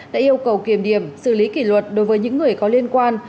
đã yêu cầu kiềm điểm xử lý kỷ luật đối với những người có liên quan